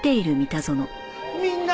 みんな！